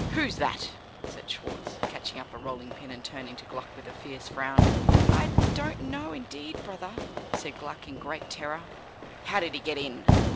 "Who's that?" said Schwartz, catching up a rolling pin, and turning to Gluck with a fierce frown. "I don't know, indeed, brother," said Gluck, in great terror. "How did he get in?"